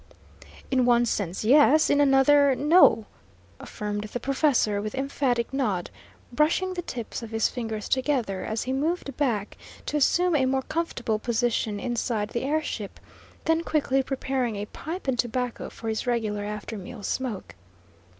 "In one sense, yes; in another, no," affirmed the professor, with emphatic nod, brushing the tips of his fingers together, as he moved back to assume a more comfortable position inside the air ship, then quickly preparing a pipe and tobacco for his regular after meal smoke.